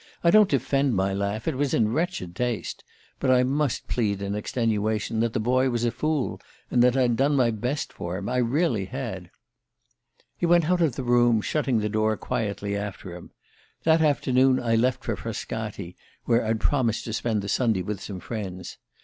I don't defend my laugh it was in wretched taste. But I must plead in extenuation that the boy was a fool, and that I'd done my best for him I really had. "He went out of the room, shutting the door quietly after him. That afternoon I left for Frascati, where I'd promised to spend the Sunday with some friends.